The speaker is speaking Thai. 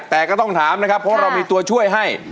แต่ก็ต้องถามนะครับเพราะเรามีตัวช่วยให้